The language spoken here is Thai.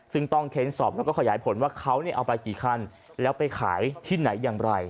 ซึ่งต้องเค้นสอบแล้วก็ขยายผลว่าเขาเอาไปกี่คันแล้วไปขายที่ไหนอย่างไร